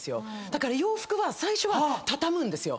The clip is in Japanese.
だから洋服は最初は畳むんですよ。